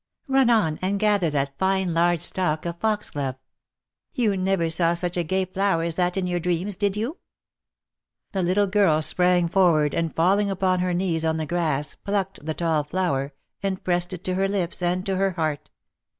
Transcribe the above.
" Run on, and gather that fine large stalk of foxglove. You never saw such a gay flower as that in your dreams, did you V The little girl sprang forward, and falling upon her knees on the grass, plucked the tall flower, and pressed it to her lips, and to her heart.